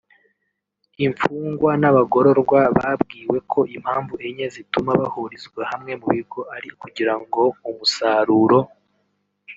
Imfugwa n’abagororwa babwiwe ko impamvu enye zituma bahurizwa hamwe mu bigo ari ukugirango umusaruro